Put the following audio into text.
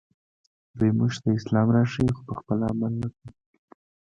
دوی موږ ته اسلام راښيي خو پخپله عمل نه کوي